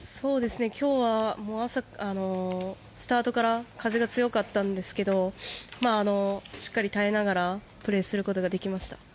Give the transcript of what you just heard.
今日はスタートから風が強かったんですけどしっかり耐えながらプレーすることができました。